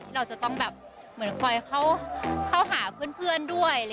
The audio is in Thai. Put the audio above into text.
เราจะต้องแบบเหมือนคอยเข้าหาเพื่อนด้วย